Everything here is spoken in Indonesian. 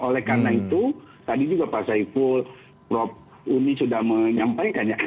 oleh karena itu tadi juga pak saiful prof uni sudah menyampaikan ya